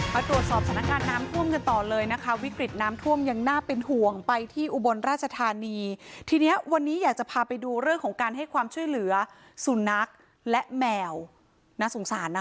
มาตรวจสอบสถานการณ์น้ำท่วมกันต่อเลยนะคะวิกฤตน้ำท่วมยังน่าเป็นห่วงไปที่อุบลราชธานีทีเนี้ยวันนี้อยากจะพาไปดูเรื่องของการให้ความช่วยเหลือสุนัขและแมวน่าสงสารนะคะ